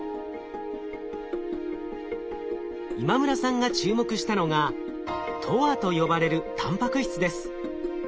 今村さんが注目したのがＴＯＲと呼ばれるタンパク質です。